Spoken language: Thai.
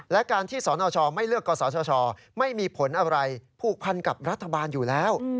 และการที่สนชไม่เลือกกศชไม่มีผลอะไรผูกพันกับรัฐบาลอยู่แล้ว